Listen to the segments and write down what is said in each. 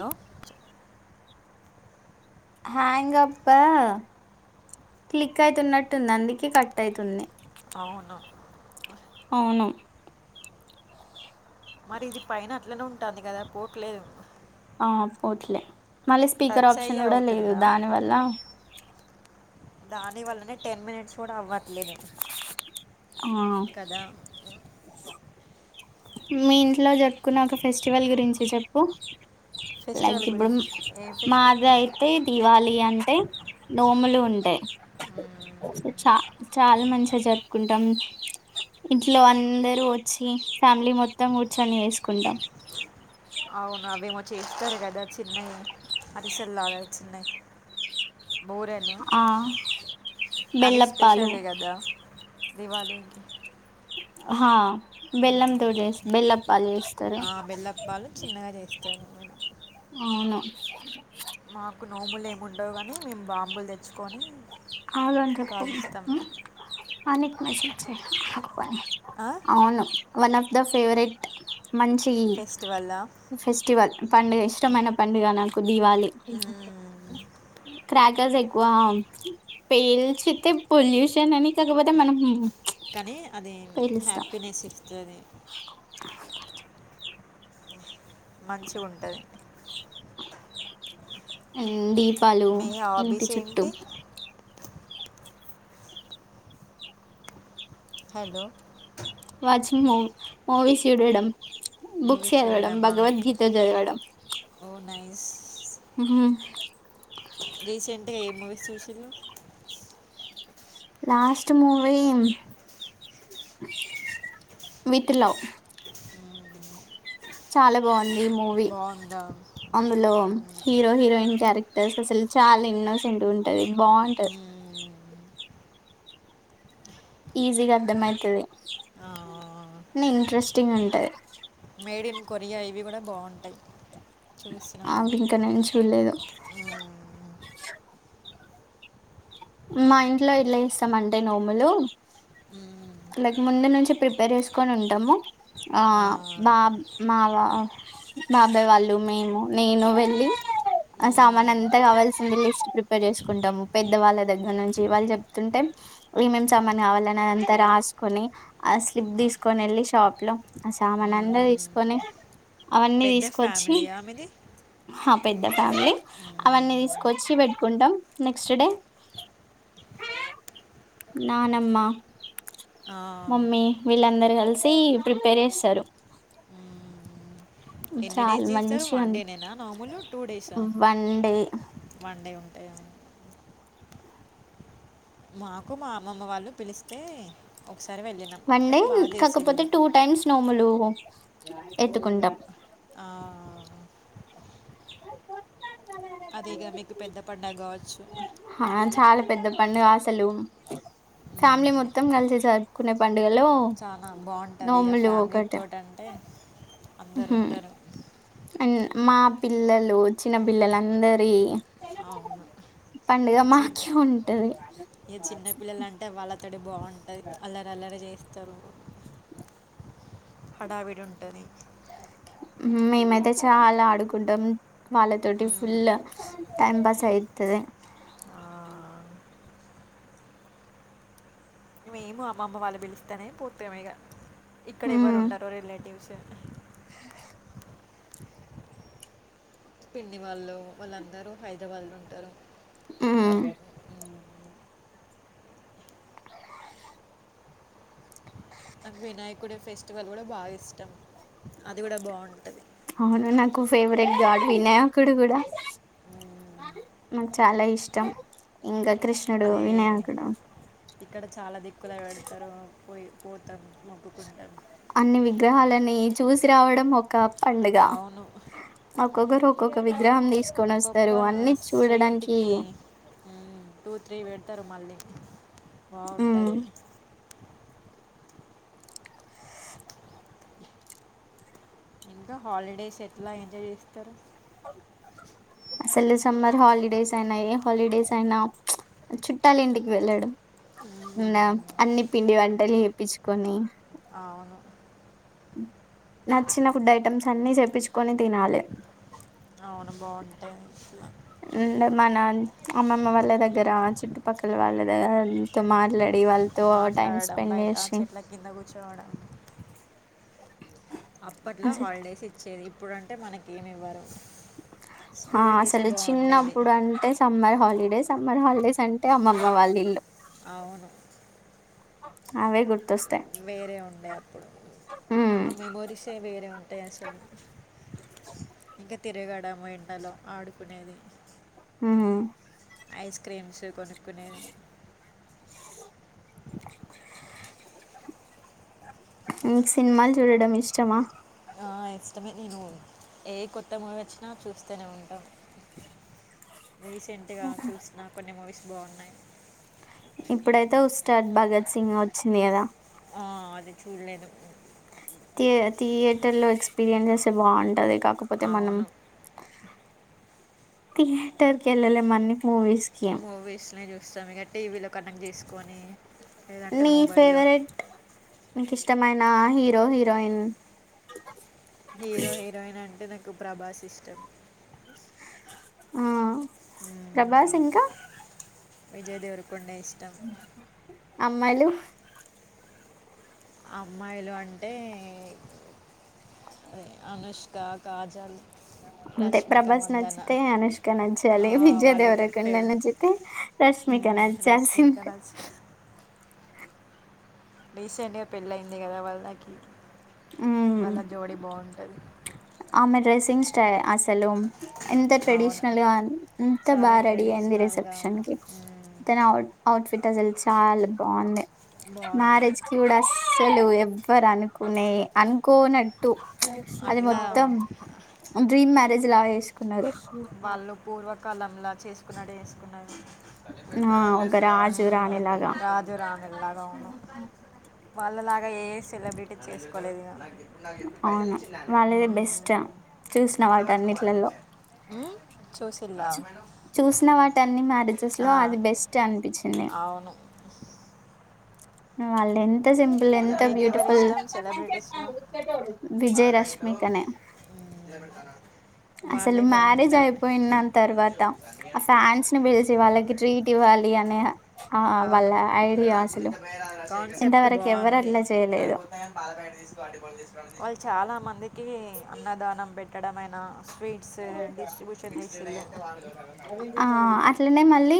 Hello హాంగప్పా click అయితున్నట్టుంది అందుకే కట్ అయితుంది అవును అవును మరి ఇది పైన అట్లనే ఉంటుంది కదా పోట్లేదు ఆ పోట్లే మళ్ళీ స్పీకర్ టచ్ అయ్యి ఆప్షన్ కూడా లేదు అవుతుందా దానివల్ల దాని వల్లనే టెన్ మినిట్స్ కూడా అవ్వట్లేదు ఆ కదా ఉ [inaudible] మీ ఇంట్లో జరుపుకున్న ఒక ఫెస్టివల్ గురించి చెప్పు లైక్ ఫెస్టివల్ ఇప్పుడు గురించి ఏం ఫెస్టివల్ మాది అయితే దివాళి అన్ ఉంటయ్ నోములు ఉంటాయి మ్మ్. సో చ చాలా మంచిగా జరుపుకుంటాం ఇంట్లో అందరుూ వచ్చి ఫ్యామిలీ మొత్తం కూర్చొని చేసుకుంటాం ద చిన్నై యా అరిసల్లాద చిన్నై బూరెలు ఆ అవి బెల్లప్పాలు స్పెషలే కదా దివాళీకి అహా బెల్లంతో జేస్ బెల్ల పాలు చేస్తారు తను నేను అవును మాకు నోములు ఏమిండవు కాని మేము బాంబులు తెచ్చుకొని ఆ గని చెప్పు కాలుస్తాం ఆనిక్ మెసేజ్ చెయ్ వాని ఆ? అవును వన్ ఆఫ్ ద ఫేవరెట్ మంచి ఈ ఫెస్టివల్లా ఫెస్టివల్ పండుగ ఇష్టమైన పండుగ నాకు దీవాళి మ్మ్. క్రాకర్స్ ఎక్కువ పేల్చితే పొల్యూషన్ అని కాకపోతే మనం కానీ అది పేలుస్తాం హ్యాపీనెస్ ఇస్తది మంచి ఉంటది అండ్ దీపాలు మీ ఇంటి హాబీస్ చుట్టూ ఏంటి హలో వాచింగు మూవీస్ చూడడం బుక్స్ మూవీస్ చదవడం చూడడమా భగవద్గీత చదవడం ఓ నైస్ ఊహు పిలిషినవ్ లాస్ట్ మూవీ మిత్ లవ్ చాలా బాగుంది ఈ మూవీ బాగుందా అందులో హీరో హీరోయిన్ క్యారెక్టర్స్ అసలు చాలా ఇన్నోసెంట్ ఉంటది బాగుంటది ఈజీగా అర్థమయితది ని ఇంట్రెస్టింగ్ ఉంటది మేడ్ ఇన్ కొరియా ఇవి కూడా బాగుంటాయి అవి ఇంక నేను చూలేదు మ్మ్. మా ఇంట్లో ఎట్లా ఏస్తాం అంటే నోములు మ్మ్. లైక్ ముందు నుంచి ప్రిపేర్ చేసుకొని ఉంటాము ఆ బాబ్ మావ బాబాయ్ వాళ్ళు మేము నేను వెళ్ళి ఆ సామాన్ మ్మ్. అంత కావాల్సింది లిస్ట్ ప్రిపేర్ చేసుకుంటము పెద్దవాళ్ళ దగ్గర ఇగ నుంచి వాళ్ళు చెప్తుంటే ఏమేం సమాన్ కావాలని అది అంతా రాసుకొని ఆ స్లిప్ తీసుకు తీసుకొని వెళ్ళి షాప్ లో ఆ సామాన్ అంత మ్మ్. తీసుకొని అవన్నీ పెద్ద తీసుకొచ్చి ఫ్యామిలీయా మీది హప్ పెద్ద ఫ్యామిలీ అవన్నీ హ్మ్. తీసుకొచ్చి పెట్టుకుంటాం నెక్స్ట్ డే నానమ్మ ఆ! మమ్మీ వీళ్ళందరు కలిసి ప్రిపేర్ చేస్తారు హ్మ్. ఎన్ని డేస్ చాలా చేస్తారు మంచిగా వన్ అన్ డే నేనా నోమూలు టూ డేసా వన్ డే వన్ డే ఉంటు మాకు మా అమ్మమ్మ వాళ్ళు పిలిస్తే ఒకసారి వెళ్ళినాం. వన్ డే కానీ బా కాకపోతే చేసిల్లు. టూ టైమ్స్ నోములు ఎత్తుకుంటాం ఆ అది ఇగ మీకు పెద్ద పండగ కావచ్చు. ఆ చాలా పెద్ద పండుగ అసలు ఫ్యామిలీ మొత్తం కలిసి జరువుకునే ప చాలా బాగుంటది ఇక ఫ్యామిలీ తోటి అంటే హమ్ అం మా పిల్లలు చిన్న పిల్లలు అందరి అవును. పండుగ మాకే ఉంటది ఏ చిన్నపిల్లల అంటే వాళ్ళు తోడి బాగుంటుంది అల్లరి అల్లరి చేస్తారు హడావిడి ఉంటది మేమైతే చాలా ఆడుకుంటాం వాళ్ళతోటి హ్మ్. ఫుల్ టైం పాస్ అయి తది ఆ! మేము అమ్మమ్మ వాళ్ళు పిలిస్తేనే పోతిమిగా ఇక్కడ ఎవరు ఉమ్ ఉండరు రిలేటివ్స్ పిన్నివాళ్ళు వాళ్ళందరూ హైదరాబాద్ లో ఉంటారు ఆమ్ నాకు వినాయకుడి ఫెస్టివల్ కూడా బాగా ఇష్టం అది కూడా బాగుంటది కు ఫేవరెట్ గాడ్ వినాయకుడు కూడా హ్మ్. నాకు చాలా ఇష్టం ఇంకా కృష్ణుడు అదే వినాయకుడు ఇక్కడ చాలా దిక్కుల పెడతారు పోయి పోతాం మొక్కుకుంటాం అన్ని విగ్రహాలని చూసి రావడం ఒక పండుగ అవును. ఒక్కొక్కరు ఒక్కొక్క వి ఒక్కొక్క స్విట్ చూడడానికి కి ఉమ్ టూత్ త్రీ పెడతారు మళ్ళీ మ్మ్ బాగుంటది ఇంకా హాలిడేస్ ఎట్లా ఎంజాయ్ చేస్తారు అసలు సమర్ హలిడేస్ అయినా ఏ హలిడేస్ అయినా చుట్టాల ఇంటికి వెళ్ళాడం ఉనా అన్ని పిండి వంటలు చేప్పించుకొని అవును నచ్చిన ఫుడ్ ఐటమ్స్ అన్ని చేప్పించుకొని తినాలి అవును బాగుంటాయి అండ్ మన అమ్మమ్మ వాళ్ళ దగ్గర చుట్టుపక్కల వాళ్ళ దగ్గర తో మాట్లాడి వాళ్ళ మాట్లాడడం బయట చెట్ల కింద కూర్చోవడం అప్పట్లో అసలు హాలిడేస్ ఇచ్చేది ఇప్పుడుంటే మనకు ఏమి ఇవ్వరు ఆ స్కూల్ డేసే అసలు బాగుండేది చిన్నప్పుడు అంటే సమ్మర్ హాలి ఇదే సమ్మర్ హాలిడేస్ అంటే అమ్మమ్మ వాళ్ళ ఇల్లు అవును అవే గుర్తు వేరే ఉండే అప్పుడు ఉమ్ ఆ మెమోరీస్ ఏ వేరే ఉంటాయి అసలు ఇంకా తిరేగాడ డమ ఏండలో ఆడుకునేది ఆమ్ ఐస్ క్రీమ్స్ కొనుక్కునేవి మీకు సినిమాలు చూడడం ఇష్టమా ఆ, ఇష్టమే నేను ఏ కొత్త మూవీ వచ్చినా చూస్తేనే ఉంటాం రీసెంట్ గా చూసిన కొన్ని మూవీస్ బాగున్నాయి ఇప్పుడైతే ఉస్తాద్ భగత్ సింగ్ వచ్చింది కదా ఆ అది చూడలేదు ఇగా థియేటర్లో ఎక్స్పీరియన్సెస్ వారికి బాగుంటది కాకపోతే మనం అవును థియటర్ కేల్లలే అన్ని మూవీస్ కి మూవీస్ ని చూస్తాం ఇక టీవీలో కనెక్ట్ చేసుకొని లేదంటే మీ మొబైల్లో ఫేవరెట్ మీకు ఇష్టమైన హీరో హీరోయిన్ హీరో హీరోయిన్ అంటే నాకు ప్రభాస్ అంటే ఇష్టం ఆ మ్మ్, ప్రభాస్ ఇంకా విజయ్ దేవరకొండ ఇష్టం అమ్మాయిలు అమ్మాయిలు అంటే అనుష్క కాజల్ అంతే రష్మిక ప్రభాస్ మందన నచ్చితే అనుష్క ఆ, నచ్చాలి విజయ వాళ్ళిద్దరు దేవరకొండ ఫేవరెట్ నచ్చితే రష్మిక రష్మిక నచ్చాల్సిందే నచ్చ రీసెంట్ గా పెళ్ళి అయింది కదా వాళ్ళకి ఉమ్ వాళ్ళ జోడి బాగుంటది ఆమె డ్రెస్సింగ్ స్టైల్ అసలు ఎంత అవును ట్రెడిషనల్ గా ఎంత చాలా బాగా రెడీ అయింది ట్రెడిషనల్గా రిసెప్షన్ తనవుట్ అవుట్ అసలు చాలా బాగుంది బాగుంది మ్యారేజ్ కి కూడా అస్సలు ఎవ్వరు అనుకో ఉన్నాయి అనుకోనట్టుప్చ్ అది అట్లా మొత్తం డ్రీమ్ మ్యారేజ్ లా చేసుకున్నారు వాళ్ళు పూర్వకాలంలా చేసుకున్నట్టు చేసుకున్నరు ఆ ఒక రాజు రాణి లాగా రాజు రాణుల్లగా అవును వాళ్ళలాగా ఏస్ చేసుకోలేదు ఇగా అవును వాళ్ళది బెస్ట్ చూసిన వాటన్నిట్లలో మ్మ్ హ్ చూసిన వాటి అన్ని మ్యారేజెస్ లో ఆ, అది బెస్ట్ అనిపించింది అవును వాళ్ళేం ఎంత సింపుల్ ఎంత మీకెవరు బ్యూటిఫుల్ ఇష్టం సెలబ్రిటీస్లో విజయ్ రశమికనే ఏనుక అసలు మ్యారేజ్ అయిపోయిన నాకు తర్వాత కొంచెం సన్నీ ఆ అంటే ఫ్యాన్స్ సన్నీ ని పిలిసి అనిపించింది పాల వాళ్ళకి ప్యాకెట్ ట్రీట్ ఇవ్వ అ వాళ్ళ అవును అరే ఐడియా అసలు ఇంతవరకు ఎ సరేపోతది గానీ పాాల ప్యాకెట్ తీసుకురా ఆంటీ ఫోన్ చేస్తుంది వాళ్ళు చాలా మందికి అన్నదానం పెట్టడమై నా స్వీట్స్ డిస్ట్రిబ్యూషన్ చేస్తారు ఆ అట్లనే మళ్ళీ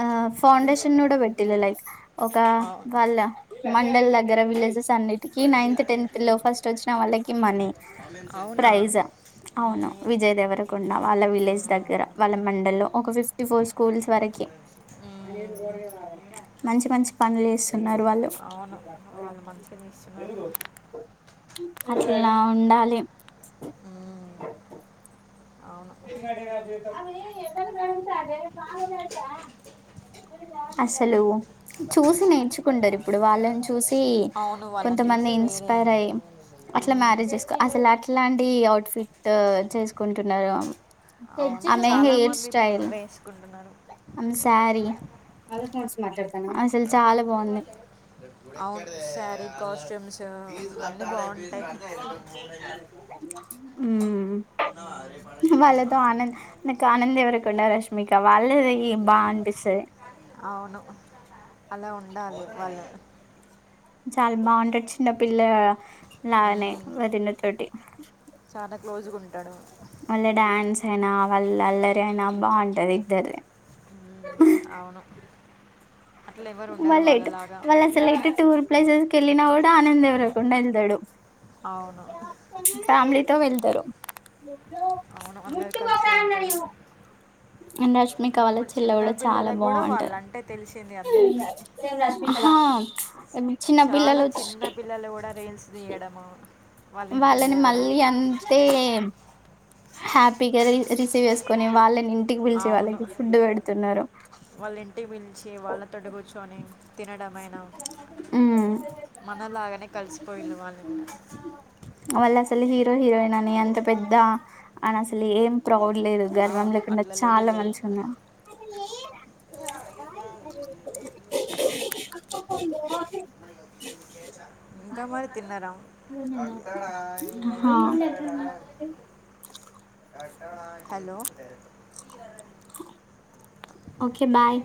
ఆ ఫౌండేషన్ కూడా పెట్టిన్లు లైక్ ఒక అవును వాళ్ళ మండలి దగ్గర విలేజెస్ అన్నిటికి బండి ఉందా నైన్త్ నేను టెన్త్ ఎట్లా లో తీసుకుంటా ఫస్ట్ చెప్పే. వచ్చిన వాళ్ళకి మనీ అవునా ప్రైజా అవును మ్మ్. విజయ్ దేవరకొండ వాళ్ళ విలేజ్ దగ్గర మ్మ్. వాళ్ళ మండల్ లో ఒక ఫిఫ్టీ ఫోర్ స్కూల్స్ వరకి ఉమ్, మంచి మంచి పనులు చేస్త ఉన్నారు వాళ్ళు అవును వాళ్ళు మంచిగా తీస్తున్నారు ఇలా ఉండాలి ఉమ్, అవును తీసుకొచ్చిన కదా అసలు చూసి నేర్చుకుంటారు ఇప్పుడు వాళ్ళని చూసి అవును కొంత వాళ్ళని మంది చూసి వేరే ఇన్స్పైర్ అయ్య అట్లా ఉమ్, మ్యారేజ్ చేసుకో అసలు అట్లాంటి ట్రీట్ చేసుకుంటున్నారు అవును ఆమె హెయిర్ చాలామంది ఇప్పుడు స్టైల్ అవే వేసుకుంటున్నారు ఆమె సారీ అసలు చాలా బాగుంది అవును శారీ కాస్ట్యూమ్స్ అన్నీ బాగుంటాయి అ మ్మ్ వాళ్ళతో ఆనంద్ ఇంకా ఆనంద్ విజయదేవరకొండ రష్మికా వాళ్ళది ఈమె బాఅనిపిస్తది అవును అలా ఉండాలి వాళ్ళు చాలా బాగుంటది చిన్న పిల్ల నానేే ఉమ్, వదిన తోటి క్లోజ్గ ఉంటాడు వాళ్ళ డాన్స్ అయినా వాళ్ళ అల్లరి అయినా బాగుంటది ఇద్దర్ది ఉ అవును అట్లా ఎవరు ఉండరు వాళ్ళైతే వాళ్ళలాగా వాళ్ళు అసలు ఎటు టూర్ ప్లేసెస్ కి వెళ్లిన కూడా ఆనంద్ దేవరకొండా వెల్దాడు అవు ఫ్యామిలీతో వెళ్తారు అవును అందరు కలిసి వెళ్తారు అండ్ రష్మిక వాళ్ళ ఇప్పుడు చెల్లె చిన్న కూడా చాలా పిల్లలకు కూడా బాగుంటది వాళ్ళంటే తెలిసింది అందరికీ ా ఏ చిన్న చాలా పల్లుచ్చ చిన్న పిల్లలు కూడా [unintelligible] రీల్స్ తీయడము వాళ్ళ ఇంటికి వాళ్ళని పోవడం మళ్ళీ అంటే హ్యాపీగా రి రిసీవ్ చేసుకొని వాళ్ళని ఇంటికి పిలిచి అవును వాళ్ళకి ఫుడ్ పెడుతున్నారు వాళ్ళ ఇంటికి పిలిచి వాళ్ళ తోటి కూర్చొని తినడమైన తినడమైన ఉమ్ మనలాగానే కలిసిపోయిలు వాళ్లు కూడా వాళ్ళు అసలు హీరో హీరోయిన్ అని అంత పెద్ద అని అసలు ఏం ప్రౌడ్ లేదు గర్వం అవును లేకుండా అట్లా లేనే చాలా లేరు మంచిగ ఉంది ఇంకా మరి తిన్నావ హా వస్తాడా హలో ఓకే బాయ్